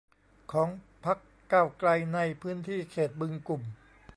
ของพรรคก้าวไกลในพื้นที่เขตบึงกุ่ม